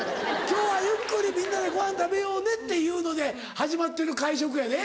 今日はゆっくりみんなでご飯食べようねっていうので始まってる会食やで。